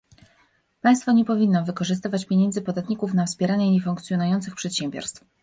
Państwo nie powinno wykorzystywać pieniędzy podatników na wspieranie niefunkcjonujących przedsiębiorstw